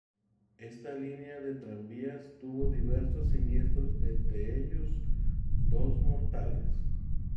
Esta línea de tranvías tuvo diversos siniestros, entre ellos dos mortales.